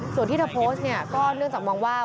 ส่วนที่เธอโพสต์เนี่ยก็เนื่องจากมองว่า